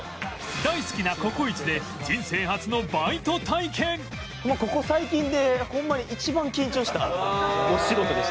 大好きなココイチでもうここ最近でホンマに一番緊張したお仕事でしたね。